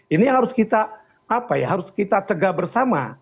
ini yang harus kita cegah bersama